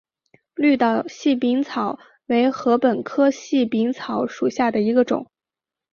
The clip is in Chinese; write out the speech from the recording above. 绿岛细柄草为禾本科细柄草属下的一个种。